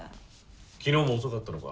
昨日も遅かったのか？